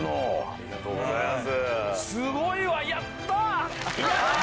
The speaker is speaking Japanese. ありがとうございます！